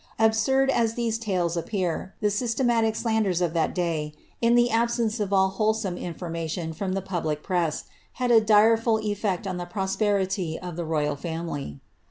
Absurd as these tales appear, ik systematic slanders of tliat day, in the absence of all wholesome ■ formation from the public press, had a direful effect on the prosperit of the royal fiimily.